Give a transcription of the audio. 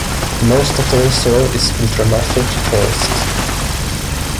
Most of the reserve is ultramafic forest.